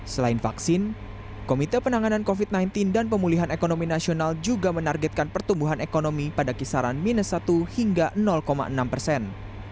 selain vaksin komite penanganan covid sembilan belas dan pemulihan ekonomi nasional juga menargetkan pertumbuhan ekonomi pada kisaran minus satu hingga enam persen